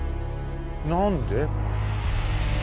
何で？